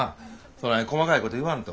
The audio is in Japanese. そない細かいこと言わんと。